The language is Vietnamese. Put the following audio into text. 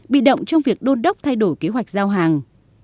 bị động trong việc đôn đốc thay đổi kế hoạch giao hàng